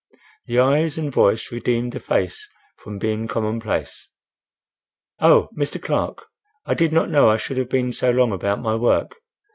The eyes and voice redeemed the face from being commonplace. "Oh!—Mr. Clark, I did not know I should have been so long about my work.